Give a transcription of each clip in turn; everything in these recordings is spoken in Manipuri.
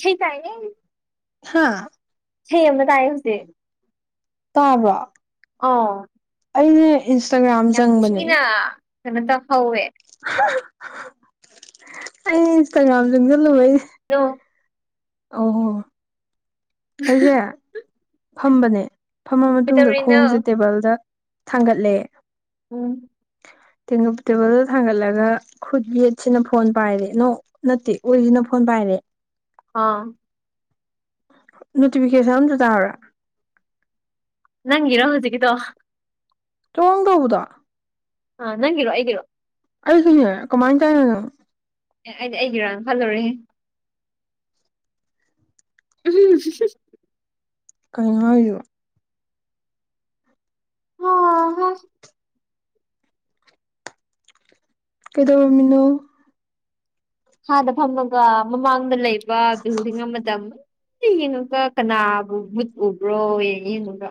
ꯁꯤ ꯇꯥꯏꯅꯦ ꯍꯥꯥ ꯁꯤ ꯌꯦꯡꯕ ꯇꯥꯔꯦ ꯍꯧꯖꯤꯛ ꯇꯥꯕꯔꯣ ꯑꯣ ꯑꯩ ꯏꯟꯁꯇꯥꯒ꯭ꯔꯥꯝ ꯆꯪꯕꯅꯦ ꯊꯤꯅ ꯀꯩꯅꯣ ꯇꯧꯍꯧꯋꯦ [unintelligible] ꯑꯩ ꯏꯟꯁꯇꯥꯒ꯭ꯔꯥꯝ ꯆꯪ ꯆꯜꯂꯨꯕꯩꯅꯦ ꯑꯣ ꯑꯎ ꯑꯩꯁꯦ ꯐꯝꯕꯅꯦ ꯐꯝꯃ ꯃꯇꯨꯡꯗ ꯀꯩꯗꯧꯔꯤꯅꯣ ꯈꯣꯡꯁꯦ ꯇꯦꯕꯜꯗ ꯊꯥꯡꯒꯠꯂꯦ ꯎꯝ ꯇꯦꯡꯉ ꯇꯦꯕꯜꯗ ꯊꯥꯡꯒꯠꯂꯒ ꯈꯨꯠ ꯌꯦꯠꯁꯤꯅ ꯐꯣꯟ ꯄꯥꯏꯔꯦꯅꯣ ꯅꯠꯇꯦ ꯑꯣꯏꯁꯤꯅ ꯐꯣꯟ ꯄꯥꯏꯔꯦ ꯑꯥ ꯅꯣꯇꯤꯐꯤꯀꯦꯁꯟ ꯑꯝꯇ ꯇꯥꯔꯥ ꯅꯪꯒꯤꯔꯣ ꯍꯧꯖꯤꯛꯀꯤꯗꯣ ꯇꯣꯡ ꯇꯧꯕꯗꯣ ꯑ ꯅꯪꯒꯤꯔꯣ ꯑꯩꯒꯤꯔꯣ ꯑꯩꯒꯤꯁꯦ ꯀꯃꯥꯏꯅ ꯆꯥꯏꯉꯤꯅꯣ ꯑꯦ ꯑꯩꯗꯤ ꯑꯩꯒꯤꯔꯥꯅ ꯈꯜꯂꯨꯔꯦꯍꯦ [unintelligible] ꯀꯩꯅꯣ ꯍꯥꯏꯖꯤꯕꯨ [unintelligible] ꯀꯩꯗꯧꯔꯝꯃꯤꯅꯣ ꯐꯥꯟꯗ ꯐꯝꯃꯒ ꯃꯃꯥꯡꯗ ꯂꯩꯕ ꯕꯤꯜꯗꯤꯡ ꯑꯃꯗ ꯑꯃꯨꯛ ꯌꯦꯡꯉꯒ ꯀꯅꯥꯕꯨ ꯃꯨꯠ ꯎꯕ꯭ꯔꯣ ꯌꯦꯡꯉ ꯌꯦꯡꯉꯒ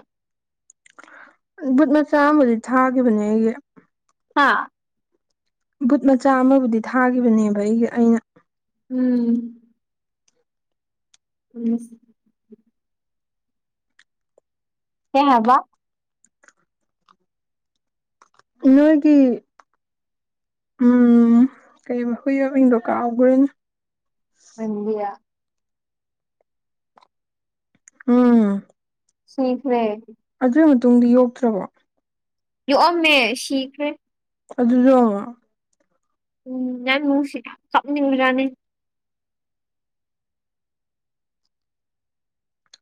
ꯑ ꯕꯨꯠ ꯃꯆꯥ ꯑꯝꯕꯨꯗꯤ ꯊꯥꯈꯤꯕꯅꯦ ꯑꯩꯒꯤ ꯍꯥꯥ ꯕꯨꯠ ꯃꯆꯥ ꯑꯃꯕꯨꯗꯤ ꯊꯥꯒꯤꯈꯤꯕꯅꯦꯕ ꯑꯩꯒꯤ ꯑꯩꯅ ꯎꯝ ꯎꯝ ꯍꯤꯟꯖꯥꯥꯡ ꯍꯥꯎꯕꯔꯥ ꯅꯣꯏꯒꯤ ꯎꯝ ꯀꯩ ꯃꯈꯨꯏ ꯌꯥꯝ ꯏꯪꯗ ꯀꯥꯎꯈ꯭ꯔꯦ ꯃꯟꯗꯤꯌꯥ ꯎꯝ ꯁꯤꯈ꯭ꯔꯦ ꯑꯗꯨꯏ ꯃꯇꯨꯡꯗꯤ ꯌꯣꯛꯇ꯭ꯔꯕꯣ ꯌꯣꯛꯑꯝꯃꯦ ꯁꯤꯈ꯭ꯔꯦ ꯑꯗꯨꯔꯣ ꯎꯝ ꯌꯥꯝ ꯅꯨꯡꯁꯤꯕ ꯀꯞꯅꯤꯡꯕ ꯖꯠꯅꯤ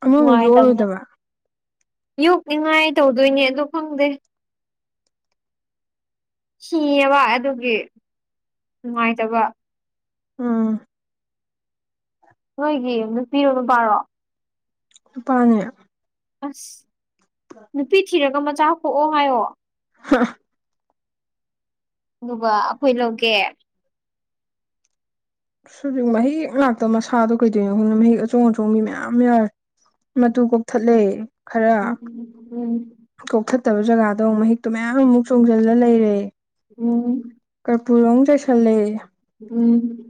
ꯑꯃꯃꯨꯛ ꯅꯨꯡꯉꯥꯏꯇꯕꯅꯦ ꯌꯣꯛꯑꯔꯣꯏꯗꯕ ꯌꯣꯛꯅꯤꯡꯉꯥꯏ ꯇꯧꯗꯣꯏꯅꯦ ꯑꯗꯣ ꯈꯪꯗꯦ ꯁꯤꯑꯦꯕ ꯑꯗꯨꯒꯤ ꯅꯨꯡꯉꯥꯏꯇꯕ ꯎꯝ ꯅꯣꯏꯒꯤ ꯅꯨꯄꯤꯔꯣ ꯅꯨꯄꯥꯔꯣ ꯄꯥꯅꯤ ꯑꯁ ꯅꯨꯄꯤ ꯊꯤꯔꯒ ꯃꯆꯥ ꯄꯣꯛꯑꯣ ꯍꯥꯏꯌꯣ ꯍꯥ ꯑꯗꯨꯒ ꯑꯈꯣꯏ ꯂꯧꯒꯦ ꯁꯖꯤꯛ ꯃꯍꯤꯛ ꯂꯥꯛꯇꯕ ꯃꯁꯥꯗꯣ ꯀꯩꯗꯩꯅꯣ ꯈꯪꯗꯦ ꯃꯁꯥꯗꯣ ꯃꯍꯤꯛ ꯑꯆꯣꯡ ꯑꯆꯣꯡꯕꯤ ꯃꯌꯥꯝ ꯌꯥꯎꯔꯦ꯫ ꯃꯇꯨ ꯀꯣꯛꯊꯠꯂꯦ ꯈꯔ ꯎꯝ ꯎꯝ ꯀꯣꯛꯊꯠꯇꯕ ꯖꯒꯥꯗꯣ ꯃꯍꯤꯛꯇꯣ ꯃꯌꯥꯝ ꯑꯃꯨꯛ ꯆꯣꯡꯖꯜꯂ ꯂꯩꯔꯦ ꯎꯝ ꯀꯔꯄꯨꯔ ꯑꯃꯨꯛ ꯆꯥꯏꯁꯤꯜꯂꯦ ꯎꯝ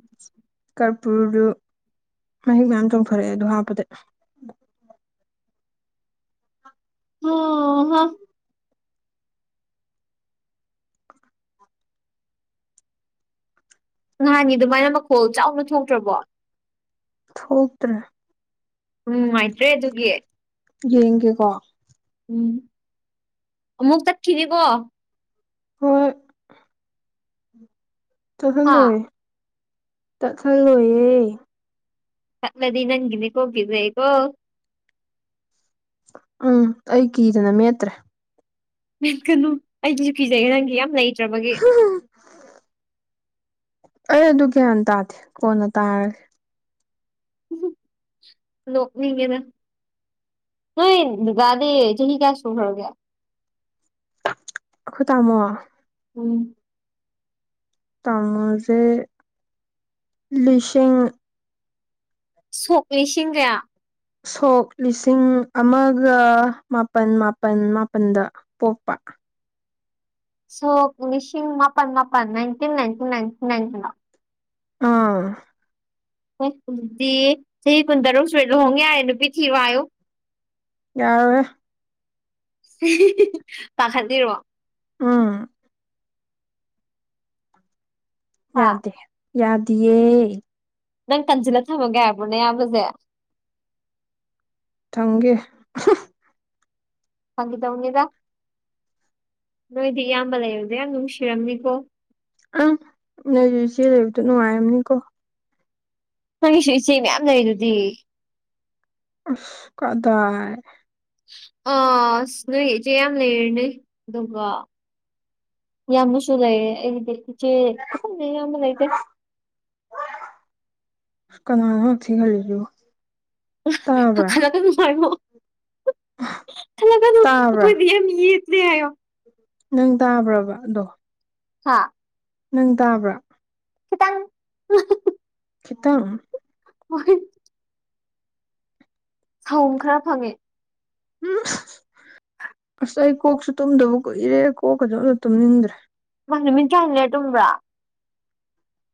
ꯀꯔꯄꯨꯔꯗꯨ ꯃꯍꯤꯛ ꯃꯌꯥꯝ ꯆꯣꯡꯊꯣꯔꯛꯑꯦ ꯑꯗꯨ ꯍꯥꯞꯄꯗ ꯑꯣ ꯍꯝ ꯅꯍꯥꯟꯒꯥ ꯑꯗꯨꯃꯥꯏꯅ ꯃꯈꯣꯜ ꯆꯥꯎꯅ ꯊꯣꯛꯇ꯭ꯔꯕꯣ ꯊꯣꯛꯇ꯭ꯔꯦ ꯎꯝ ꯅꯨꯡꯉꯥꯏꯇ꯭ꯔꯦ ꯑꯗꯨꯒꯤ ꯌꯦꯡꯒꯦꯀꯣ ꯎꯝ ꯑꯃꯨꯛ ꯇꯠꯈꯤꯅꯤꯀꯣ ꯍꯣꯏ ꯍꯥ ꯆꯠꯍꯜꯂꯣꯏ ꯇꯠꯍꯜꯂꯣꯏꯌꯦ ꯇꯠꯂꯗꯤ ꯅꯪꯒꯤꯅꯤꯀꯣ ꯒꯤꯖꯩꯀꯣ꯫ ꯎꯝ ꯑꯩ ꯀꯤꯗꯅ ꯃꯦꯠꯇ꯭ꯔꯦ꯫ [unintelligible] ꯀꯅꯨ ꯑꯩꯗꯤꯁꯨ ꯀꯤꯖꯩꯌꯦ ꯅꯪꯒꯤ ꯌꯥꯝ ꯂꯩꯇ꯭ꯔꯕꯒꯤ꯫ ꯑꯩ ꯑꯗꯨ ꯒ꯭ꯌꯥꯟ ꯇꯥꯗꯦ ꯀꯣꯟꯅ ꯇꯥꯔꯒꯦ꯫ ꯅꯣꯛꯅꯤꯡꯉꯦꯅ ꯅꯣꯏ ꯗꯗꯥꯗꯤ ꯆꯍꯤ ꯀꯌꯥ ꯁꯨꯈ꯭ꯔꯒꯦ꯫ ꯑꯈꯣꯏ ꯇꯥꯃꯣ ꯎꯝ꯫ ꯇꯥꯡꯃꯁꯦ ꯂꯤꯁꯤꯡ꯫ ꯁꯣꯛ ꯂꯤꯁꯤꯡ ꯀꯌꯥ꯫ ꯁꯣꯛ ꯂꯤꯁꯤꯡ ꯑꯃꯒ ꯃꯥꯄꯟ ꯃꯥꯄꯟ ꯃꯥꯄꯟꯗ꯫ ꯄꯣꯛꯄ꯫ ꯁꯣꯛ ꯂꯤꯁꯤꯡ ꯃꯥꯄꯟ ꯃꯥꯄꯟ ꯅꯥꯏꯟꯇꯤꯟ ꯅꯥꯏꯟꯇꯤꯟ ꯅꯥꯏꯟꯇꯤꯟ ꯅꯥꯏꯟꯇꯤꯟ꯫ [unintelligible] ꯑꯥ꯫ ꯍꯣꯏ ꯑꯗꯨꯗꯤ ꯆꯍꯤ ꯀꯨꯟꯇꯔꯨꯛ ꯁꯨꯔꯦ ꯂꯨꯍꯣꯡ ꯌꯥꯔꯦ ꯅꯨꯄꯤ ꯊꯤꯔꯣ ꯍꯥꯏꯌꯨ꯫ ꯌꯥꯔꯣꯏ ꯍꯦ ꯫ ꯄꯥꯈꯠꯂꯤꯔꯣ꯫ ꯎꯝ꯫ ꯍꯥ ꯌꯥꯗꯦ ꯌꯥꯗꯤꯌꯦ ꯅꯪ ꯀꯟꯁꯤꯜꯂ ꯊꯝꯃꯒꯦ ꯍꯥꯏꯕ꯭ꯔꯣ ꯅꯌꯥꯝꯕꯁꯦ꯫ ꯊꯝꯒꯦ꯫ ꯐꯥꯒꯤ ꯇꯧꯅꯤꯗ ꯅꯣꯏꯗꯤ ꯏꯌꯥꯝꯕ ꯂꯩꯕꯗꯣ ꯌꯥꯝ ꯅꯨꯡꯁꯤꯔꯝꯅꯤꯀꯣ꯫ ꯑꯪ ꯅꯣꯏꯁꯨ ꯏꯆꯦ ꯂꯩꯕꯗꯨ ꯅꯨꯡꯉꯥꯏꯔꯝꯅꯤꯀꯣ꯫ ꯅꯪꯒꯤꯁꯨ ꯏꯆꯦ ꯃꯌꯥꯝ ꯂꯩꯗꯨꯗꯤ꯫ ꯑꯁ ꯀꯗꯥꯥꯏ꯫ ꯑꯁ ꯅꯣꯏ ꯏꯆꯦ ꯌꯥꯝ ꯂꯩꯔꯦꯅꯦ ꯑꯗꯨꯒ꯫ ꯌꯥꯝꯅꯁꯨ ꯂꯩꯌꯦ ꯑꯩꯒꯤꯗꯤ ꯏꯆꯦ ꯈꯤꯇꯪ ꯢꯌꯝꯕ ꯂꯩꯇꯦ꯫ ꯀꯅꯥꯅꯣ ꯍꯛꯊꯤ ꯈꯜꯂꯤꯗꯨꯕꯨ꯫ ꯈꯜꯂꯛꯀꯅꯨ ꯍꯥꯏꯃꯣ ꯈꯜꯂꯛꯀꯅꯨ ꯇꯥꯕ꯭ꯔꯥ ꯑꯩꯈꯣꯏꯗꯤ ꯌꯥꯝ ꯌꯦꯠ꯫ [unintelligible] ꯍꯥꯏꯌꯣ꯫ ꯅꯪ ꯇꯥꯕ꯭ꯔꯕ ꯑꯗꯣ꯫ ꯍꯥꯥ꯫ ꯅꯪ ꯇꯥꯕ꯭ꯔꯥ꯫ ꯈꯤꯇꯪ ꯍꯥ ꯍꯥ꯫ ꯈꯤꯇꯪ꯫ ꯍꯣꯏ꯫ ꯁꯍꯨꯝ ꯈꯔ ꯐꯪꯉꯦ꯫ ꯎꯝ ꯑꯁ ꯑꯩ ꯀꯣꯛꯁꯨ ꯇꯨꯝꯗꯕ ꯀꯨꯏꯔꯦ ꯀꯣꯛꯀꯁꯨ ꯑꯃ ꯇꯨꯝꯅꯤꯡꯗ꯭ꯔꯦ꯫ ꯃꯥ ꯅꯨꯃꯤꯠ ꯀꯌꯥꯅꯤ ꯂꯩꯔ ꯇꯨꯝꯕ꯭ꯔꯥ꯫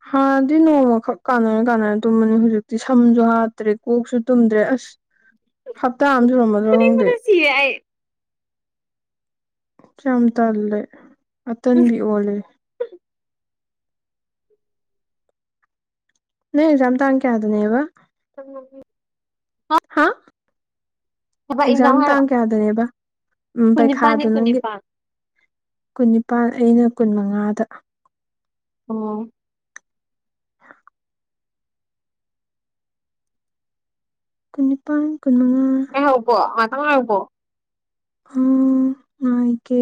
ꯍꯥꯟꯗꯤ ꯅꯣꯡꯃꯈꯛ ꯀꯥꯟꯅꯔ ꯀꯥꯟꯅꯔ ꯇꯨꯝꯕꯅꯤ ꯍꯧꯖꯤꯛꯇꯤ ꯁꯝꯁꯨ ꯍꯥꯠꯇ꯭ꯔꯦ ꯀꯣꯛꯁꯨ ꯇꯨꯝꯗ꯭ꯔꯦ ꯑꯁ꯫ ꯍꯞꯇꯥ ꯑꯃ ꯁꯨꯔꯝ꯫ [unintelligible] ꯈꯪꯗꯦ ꯐꯨꯅꯤꯡꯕꯅ ꯁꯤꯔꯦ ꯑꯩ ꯌꯥꯝ ꯇꯜꯂꯦ꯫ ꯑꯇꯟꯕꯤ ꯑꯣꯜꯂꯦ꯫ ꯅꯣꯏ ꯑꯦꯛꯖꯥꯝ ꯇꯥꯡ ꯀꯌꯥꯗꯅꯦꯕ ꯫ [unintelligible] ꯍꯥ꯫ ꯊꯕꯛ ꯑꯦꯛꯖꯥꯝ ꯏꯟꯖꯥꯡ ꯍꯥꯏꯔꯣ ꯇꯥꯡ ꯀꯌꯥꯗꯅꯦꯕ ꯎꯝ ꯀꯨꯟꯅꯤꯄꯥꯟꯅꯤ ꯄꯩꯈꯥꯗꯨ ꯅꯪꯒꯤ꯫ ꯀꯨꯟꯅꯤꯄꯥꯟ ꯀꯨꯟꯅꯤꯄꯥꯟ ꯑꯩꯅ ꯀꯨꯟ ꯃꯉꯥꯗ꯫ ꯑꯣ꯫ ꯀꯨꯟꯅꯤꯄꯥꯟ ꯀꯨꯟꯃꯉꯥ꯫ ꯑꯍꯧꯀꯣ ꯉꯥꯛꯇꯪ ꯉꯥꯏꯌꯨꯀꯣ꯫ ꯎꯝ ꯉꯥꯏꯒꯦ꯫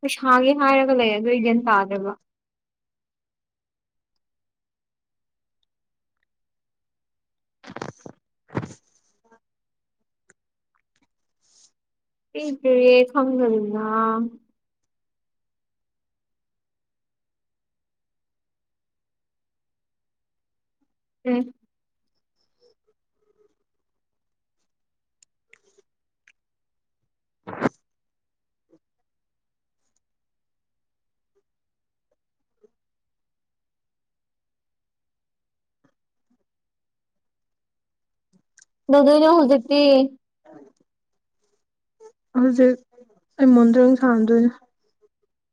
ꯄꯩꯁꯥꯒꯤ ꯍꯥꯏꯔꯒ ꯂꯩ ꯑꯗꯨ ꯑꯩ ꯒ꯭ꯌꯥꯟ ꯇꯥꯗꯦꯕ꯫ [inaudible] [unintelligible] ꯎꯝ꯫ ꯀꯩꯗꯧꯗꯣꯏꯅꯣ ꯍꯧꯖꯤꯛꯇꯤ꯫ ꯍꯧꯖꯤꯛ ꯑꯩ ꯃꯣꯟꯗ꯭ꯔꯪ ꯁꯥꯟꯅꯗꯣꯏꯅꯦ꯫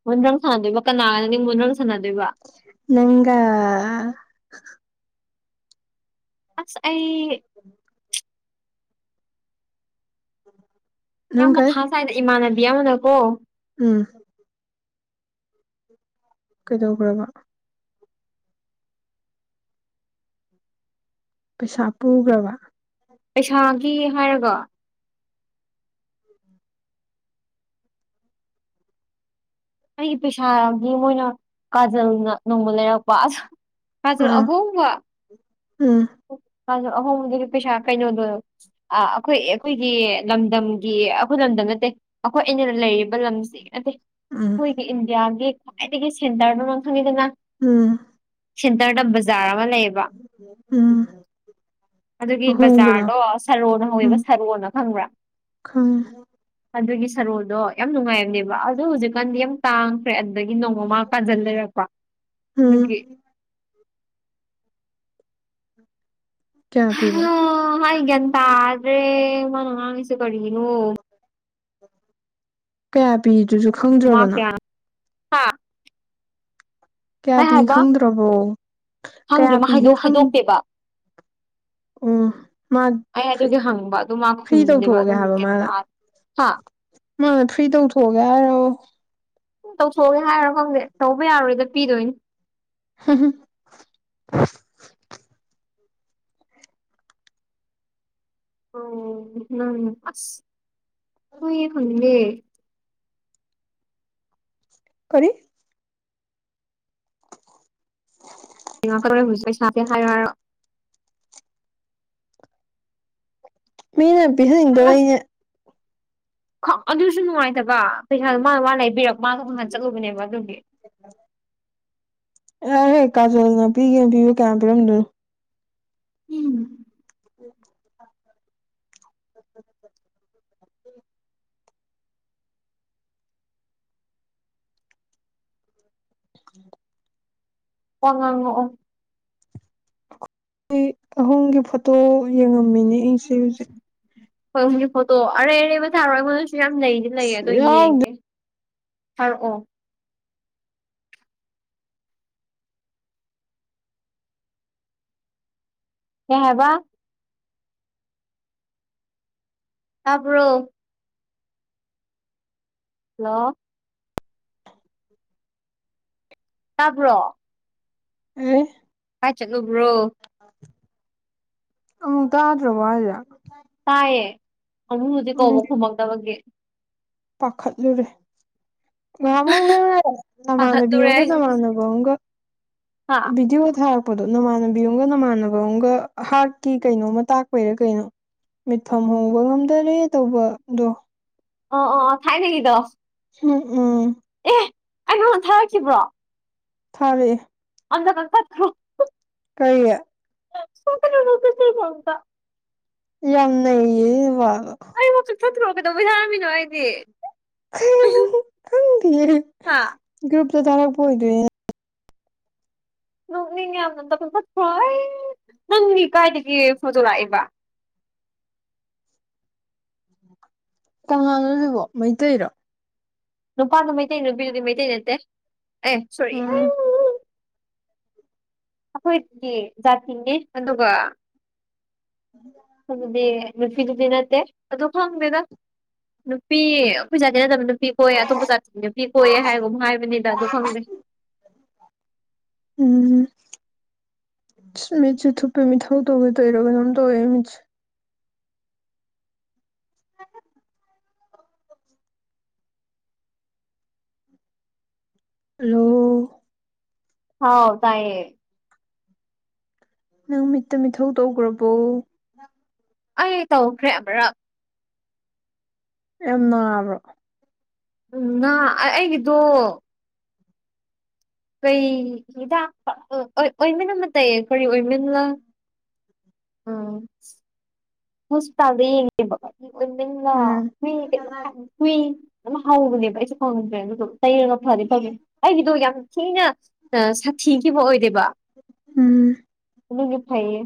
ꯃꯣꯟꯗ꯭ꯔꯪ ꯁꯥꯟꯅꯗꯣꯏꯕ ꯀꯅꯥꯒ ꯅꯪꯗꯤ ꯃꯣꯟꯗ꯭ꯔꯪ ꯁꯥꯟꯅꯗꯣꯏꯕ꯫ ꯅꯪꯒ꯫ ꯑꯁ ꯑꯩ꯫ [unintelligible] ꯅꯪ ꯌꯥꯝ ꯀꯩ ꯃꯊꯥ ꯁꯥꯏꯗ ꯏꯃꯥꯟꯅꯕꯤ ꯑꯃꯅꯀꯣ꯫ ꯎꯝ꯫ ꯀꯩꯗꯧꯈ꯭ꯔꯕ ꯄꯩꯁꯥ ꯄꯨꯈ꯭ꯔꯕ ꯄꯩꯁꯥꯒꯤ ꯍꯥꯏꯔꯒ ꯑꯩꯒꯤ ꯄꯩꯁꯥꯒꯤ ꯃꯣꯏꯅ ꯀꯥꯖꯜꯅ ꯅꯣꯡꯃ ꯂꯩꯔꯛꯄ ꯑꯁ ꯀꯥꯖꯜ ꯑꯥ ꯑꯍꯣꯡꯕ꯫ ꯎꯝ꯫ [unintelligible] ꯑ ꯑꯩꯈꯣꯏ ꯑꯩꯈꯣꯏꯒꯤ ꯂꯝꯗꯝꯒꯤ ꯑꯩꯈꯣꯏ ꯂꯝꯗꯝ ꯅꯠꯇꯦ꯫ ꯑꯩꯈꯣꯏ ꯑꯩꯅ ꯂꯩꯔꯤꯕ ꯂꯝꯁꯤ ꯅꯠꯇꯦ ꯎꯝ ꯑꯈꯣꯏ ꯏꯟꯗꯤꯌꯥꯒꯤ ꯈ꯭ꯋꯥꯏꯗꯒꯤ ꯁꯦꯟꯇꯔꯗꯣ ꯅꯪ ꯈꯪꯉꯤꯗꯅ ꯎꯝ ꯁꯦꯟꯇꯔꯗ ꯕꯖꯥꯔ ꯑꯃ ꯂꯩꯌꯦꯕ ꯎꯝ ꯑꯗꯨꯒꯤ ꯑꯍꯣꯡꯕꯗꯣ ꯕꯖꯥꯔꯗꯣ ꯁꯔꯣꯅ ꯎꯝ ꯍꯧꯋꯦꯕ ꯁꯔꯣꯅ ꯈꯪꯕ꯭ꯔꯥ ꯈꯪꯉꯦ ꯑꯗꯨꯒꯤ ꯁꯔꯣꯜꯗꯣ ꯌꯥꯝ ꯅꯨꯡꯉꯥꯏꯕꯅꯦꯕ ꯑꯗꯣ ꯍꯧꯖꯤꯛꯀꯥꯟꯗꯤ ꯌꯥꯝ ꯇꯥꯡꯈ꯭ꯔꯦ ꯑꯗꯨꯗꯒꯤ ꯅꯣꯡꯃꯃꯥ ꯀꯥꯖꯟ ꯂꯩꯔꯛꯄ ꯎꯝ ꯑꯗꯨꯒꯤ ꯀꯌꯥ ꯄꯤꯕ ꯑꯩ ꯒꯌ꯭ꯥꯟ ꯇꯥꯗꯔ꯭ꯦ ꯃꯥꯅ ꯉꯥꯡꯉꯤꯁꯦ ꯀꯔꯤꯅꯣ ꯀꯌꯥ ꯄꯤꯗꯨꯁꯨ ꯈꯪꯗ꯭ꯔꯕ ꯅꯪ ꯍꯥꯥ ꯀꯌꯥ ꯄꯤ ꯍꯥꯏꯕ ꯈꯪꯗ꯭ꯔꯕꯣ ꯀꯌꯥ ꯈꯪꯗ꯭ꯔꯦ ꯃꯥ ꯄꯤꯒꯦ ꯍꯥꯏꯗꯣꯛ ꯈꯪ ꯍꯥꯏꯗꯣꯛꯇꯦꯕ ꯑꯣ ꯃꯥ ꯑꯩ ꯐ꯭ꯔꯤ ꯑꯗꯨꯒꯤ ꯍꯪꯕ ꯑꯗꯨ ꯃꯥ ꯐ꯭ꯔꯤ ꯈꯨꯝꯗꯦꯕ ꯇꯧꯊꯣꯛꯑꯒꯦ ꯑꯗꯨꯝ ꯍꯥꯏꯕ ꯒꯌ꯭ꯥꯟ ꯃꯥꯅ ꯇꯥꯏ ꯍꯥ ꯃꯥꯅ ꯐ꯭ꯔꯤ ꯇꯧꯊꯣꯛꯑꯒꯦ ꯍꯥꯏꯔꯣ ꯇꯧꯊꯣꯛꯑꯒꯦ ꯍꯥꯏꯔꯣ ꯈꯪꯗꯦ ꯇꯧꯕ ꯌꯥꯔꯣꯏꯗ ꯄꯤꯗꯣꯏꯅꯤ [unintelligible] ꯑꯣ ꯅꯪ ꯑꯁ ꯍꯣꯏ ꯈꯪꯗꯦ ꯀꯔꯤ [unintelligible] ꯄꯩꯁꯥꯁꯦ ꯍꯥꯏꯔꯣ ꯍꯥꯏꯔꯣ ꯃꯤꯅ ꯑꯁ ꯄꯤꯍꯟꯅꯤꯡꯗꯕꯩꯅꯦ ꯑꯗꯨꯁꯨ ꯅꯨꯡꯉꯥꯏꯇꯕ ꯄꯩꯁꯥꯗꯣ ꯃꯥꯅ ꯃꯥ ꯂꯩꯕꯤꯔꯛ ꯃꯥꯗꯣ ꯎꯅꯥ ꯆꯠꯂꯨꯕꯅꯦꯕ ꯑꯗꯨꯒꯤ ꯑꯥꯏꯍꯦ ꯀꯥꯖꯣꯜꯅ ꯄꯤꯒꯦꯅ ꯄꯤꯕ ꯀꯌꯥꯝ ꯄꯤꯔꯝꯗꯣꯏꯅꯣ ꯎꯝ. [inaudible] [unintelligible] ꯋꯥꯉꯥꯡꯉꯛꯑꯣ ꯑꯩ ꯑꯍꯨꯝꯒꯤ ꯐꯣꯇꯣ ꯌꯦꯡꯉꯝꯃꯤꯅꯦ ꯑꯩꯁꯦ ꯍꯧꯖꯤꯛ ꯑꯈꯣꯏ ꯑꯍꯨꯝꯒꯤ ꯐꯣꯇꯣ ꯑꯔꯩ ꯑꯔꯩꯕ ꯊꯥꯔꯣ ꯑꯩꯉꯣꯟꯗꯁꯨ ꯌꯥꯝ ꯂꯩꯗꯤ ꯂꯩꯌꯦ ꯑꯗꯣ ꯌꯥꯎꯗꯦ ꯌꯦꯡꯒꯦ ꯊꯥꯔꯛꯑꯣ ꯀꯩ ꯍꯥꯏꯕ ꯇꯥꯕ꯭ꯔꯣ ꯍꯜꯂꯣ ꯇꯥꯕ꯭ꯔꯣ [unintelligible] ꯀꯥꯏ ꯆꯠꯂꯨꯕ꯭ꯔꯣ ꯑꯃꯨꯛ ꯇꯥꯗ꯭ꯔꯕꯣ ꯍꯥꯏꯖꯦ ꯇꯥꯏꯌꯦ ꯑꯃꯨꯛ ꯍꯧꯖꯤꯛ ꯀꯧꯕ ꯈꯨꯝꯃꯛꯇꯕꯒꯤ ꯄꯥꯈꯠꯂꯨꯔꯦ ꯉꯍꯥꯟꯃꯨꯛ ꯅꯪꯅ ꯅꯃꯥꯟꯅꯕꯤ ꯄꯥꯈꯠꯂꯨꯔꯦ ꯑꯃꯒ ꯑꯩꯁꯦ ꯅꯃꯥꯟꯅꯕ ꯑꯃꯒ ꯍꯥ ꯕꯤꯗꯤꯑꯣ ꯊꯔꯛ ꯄꯗꯣ ꯅꯃꯥꯟꯅꯕꯤ ꯑꯃꯝꯒ ꯅꯃꯥꯟꯅꯕ ꯑꯃꯒ ꯍꯥꯔꯠꯀꯤ ꯀꯩꯅꯣꯝꯃ ꯇꯥꯛꯄꯩꯔꯥ ꯀꯩꯅꯣ ꯃꯤꯠꯐꯝ ꯍꯣꯡꯕ ꯉꯝꯗꯔꯦ ꯇꯧꯕꯗꯣ ꯑꯣ ꯑꯣ ꯑꯣ ꯊꯥꯏꯅꯒꯤꯗꯣ ꯍꯝ ꯎꯝ ꯑꯦ ꯑꯩ ꯅꯉꯣꯟꯗ ꯊꯥꯔꯛꯈꯤꯕ꯭ꯔꯣ ꯊꯥꯔꯛꯑꯦ ꯑꯟꯅ ꯀꯛꯊꯠ ꯈꯔꯨ ꯀꯩ [unintelligible] ꯌꯥꯝ ꯅꯩꯌꯦ ꯋꯥ ꯋꯥ ꯑꯩꯕꯨ ꯆꯨꯞꯊꯠꯈ꯭ꯔꯣ ꯀꯩꯗꯧꯕꯩ ꯍꯥꯏꯔꯝꯃꯤꯅꯣ ꯍꯥꯏꯗꯤ ꯈꯪꯗꯦꯌꯦ ꯍꯥ ꯒ꯭ꯔꯨꯞꯇ ꯊꯥꯔꯛꯄ ꯑꯣꯏꯗꯣꯏꯅꯦ ꯅꯣꯛꯅꯤꯡꯉꯦ ꯌꯥꯝꯅ ꯑꯝꯇ ꯀꯛꯊꯠꯈ꯭ꯔꯣ ꯑꯩ ꯅꯪꯅꯤ ꯀꯥꯏꯗꯒꯤ ꯐꯣꯇꯣ ꯂꯥꯛꯏꯕ ꯀꯥꯅꯥꯅꯣ ꯁꯤꯕꯣ ꯃꯩꯇꯩꯔꯣ ꯅꯨꯄꯥꯗꯨ ꯃꯩꯇꯩ ꯅꯨꯄꯤꯗꯨꯗꯤ ꯃꯩꯇꯩ ꯅꯠꯇꯦ ꯑꯦ ꯁꯣꯔꯤ ꯎꯝ ꯑꯩꯈꯣꯏꯒꯤ ꯖꯥꯇꯤꯅꯦ ꯑꯗꯨꯒ ꯑꯗꯨꯗꯤ ꯅꯨꯡꯁꯤꯕꯗꯤ ꯅꯠꯇꯦ ꯑꯗꯨ ꯈꯪꯗꯦꯗ ꯅꯨꯄꯤ ꯑꯩꯈꯣꯏ ꯖꯥꯇꯤ ꯅꯠꯇꯕ ꯅꯨꯄꯤ ꯀꯣꯏꯌꯦ ꯑꯇꯣꯞꯄ ꯖꯥꯇꯤꯒꯤ ꯅꯨꯄꯤ ꯀꯣꯏꯌꯦ ꯍꯥꯏꯔꯒ ꯑꯃꯨꯛ ꯍꯥꯏꯕꯅꯤꯗ ꯑꯗꯨ ꯈꯪꯗꯦ ꯎꯝ ꯁ ꯃꯤꯠꯁꯨ ꯊꯨꯞꯄꯦ ꯃꯤꯊꯧ ꯇꯧꯕꯩ ꯇꯧꯏꯔ ꯀꯩꯅꯣꯝ ꯇꯧꯋꯦ ꯃꯤꯠꯁ [inaudible] ꯍꯜꯂꯣ ꯍꯥꯎ ꯇꯥꯏꯌꯦ ꯅꯪ ꯃꯤꯠꯇ ꯃꯤꯊꯧ ꯇꯧꯈ꯭ꯔꯕꯣ ꯑꯩ ꯇꯧꯈ꯭ꯔꯦ ꯑꯃꯔꯛ ꯌꯥꯝ ꯅꯥꯕ꯭ꯔꯣ ꯎꯝ ꯅꯥ ꯑ ꯑꯩꯒꯤꯗꯣ ꯀꯩ ꯍꯤꯗꯥꯛ ꯑꯣ ꯑꯣꯏ ꯑꯣꯏꯃꯤꯟ ꯑꯃ ꯇꯩꯌꯦ ꯀꯔꯤ ꯑꯣꯏꯃꯤꯟꯂ ꯑꯝ ꯍꯣꯁꯄꯤꯇꯥꯜꯗ ꯌꯦꯡꯉꯦꯕ ꯎꯝ [unintelligible] ꯀꯨꯏ ꯑꯃ ꯍꯧꯕꯅꯦꯕ ꯑꯩꯁꯨ ꯈꯪꯍꯟꯗ꯭ꯔꯦ ꯑꯗꯨꯗꯣ ꯇꯩꯔꯒ ꯐꯅꯤ ꯐꯪꯉ ꯑꯩꯒꯤꯗꯣ ꯌꯥꯝ ꯊꯤꯅ ꯁꯛꯊꯤꯈꯤꯕ ꯑꯣꯏꯗꯦꯕ ꯎꯝ ꯑꯗꯨꯒꯤ ꯐꯩꯌꯦ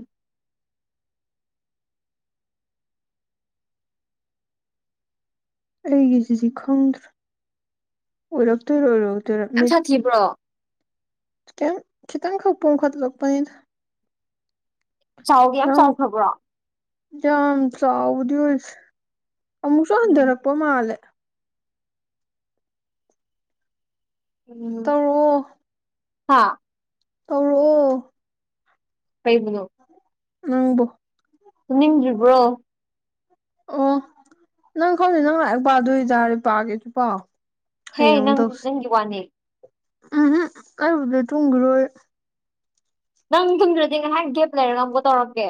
ꯑꯩꯒꯤꯁꯤꯗꯤ ꯈꯪꯗ꯭ꯔꯦ ꯑꯣꯏꯔꯛꯇꯣꯏꯔ ꯑꯣꯏꯔꯛꯑꯣꯏꯗꯔ ꯃꯤꯠ ꯊꯤꯕ꯭ꯔꯣ ꯀꯦꯝ ꯈꯤꯇꯪ ꯈꯛ ꯄꯣꯝꯈꯠꯂꯛꯄꯅꯤꯗ ꯆꯥꯎꯒꯦ ꯌꯥꯝ ꯅꯪ ꯆꯥꯎꯈ꯭ꯔꯕ꯭ꯔꯣ ꯌꯥꯝ ꯆꯥꯎꯕꯗꯤ ꯑꯣꯏꯁꯦ ꯑꯃꯨꯛꯁꯨ ꯎꯝ ꯍꯟꯗꯔꯛꯄ ꯃꯥꯜꯂꯦ ꯎꯝ ꯇꯧꯔꯛꯑꯣ ꯍꯥ ꯇꯧꯔꯣꯑꯣ ꯀꯩꯕꯨꯅꯣ ꯅꯪꯕꯨ ꯇꯨꯝꯅꯤꯡꯗ꯭ꯔꯤꯕ꯭ꯔꯣ꯫ ꯑꯣ ꯅꯪ ꯈꯪꯅꯤ ꯅꯪ ꯍꯥꯏ ꯄꯥꯗꯣꯏꯇꯥꯔꯦ ꯄꯥꯒꯦꯁꯨ ꯄꯥꯎ ꯍꯦ ꯍꯥꯌꯦꯡ ꯑꯃꯨꯛ ꯅꯪ ꯇꯧꯁꯤ ꯅꯪꯒꯤ ꯋꯥꯅꯤ ꯎꯝ ꯍꯝ ꯑꯩ ꯍꯧꯖꯤꯛ ꯇꯨꯝꯈꯤ ꯔꯣꯏ ꯅꯪ ꯇꯨꯝꯗ꯭ꯔꯗꯤ ꯉꯥꯏꯍꯥꯛ ꯒꯦꯞ ꯂꯩꯔ ꯑꯃꯨꯛꯀ ꯇꯧꯔꯛꯀꯦ